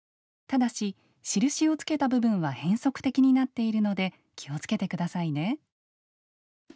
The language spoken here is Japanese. ただし印をつけた部分は変則的になっているので気をつけてくださいね。